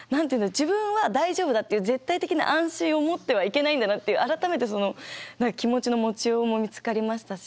自分は大丈夫だっていう絶対的な安心を持ってはいけないんだなっていう改めて気持ちの持ちようも見つかりましたし。